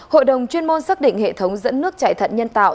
hội đồng chuyên môn xác định hệ thống dẫn nước chạy thận nhân tạo